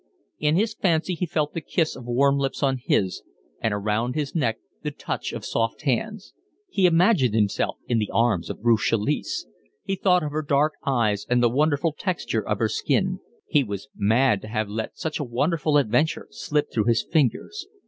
In his fancy he felt the kiss of warm lips on his, and around his neck the touch of soft hands. He imagined himself in the arms of Ruth Chalice, he thought of her dark eyes and the wonderful texture of her skin; he was mad to have let such a wonderful adventure slip through his fingers.